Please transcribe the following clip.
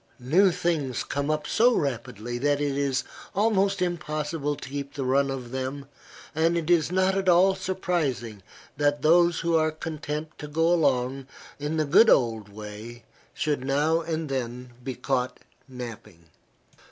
New things come up so rapidly that it is almost impossible to keep the run of them, and it is not at all surprising that those who are content to go along in the good old way should now and then be caught napping.